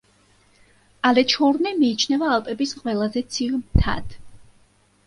ალეჩჰორნი მიიჩნევა ალპების ყველაზე ცივ მთად.